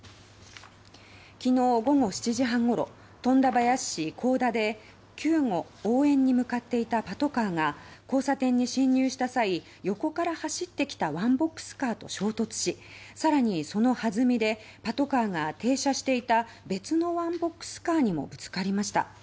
昨日、午後７時半ごろ富田林市甲田で救護応援に向かっていたパトカーが交差点に進入した際横から走ってきたワンボックスカーと衝突しさらに、そのはずみでパトカーが停車していた別のワンボックスカーにもぶつかりました。